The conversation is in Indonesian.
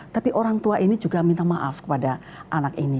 tapi orang tua ini juga minta maaf kepada anak ini